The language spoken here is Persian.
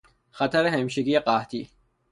خطر همیشگی قحطی